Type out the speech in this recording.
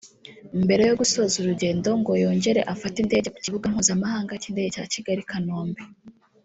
Mbere yo gusoza urugendo ngo yongere afate indege ku kibuga mpuzamahanga cy’indege cya Kigali i Kanombe